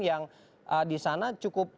yang disana cukup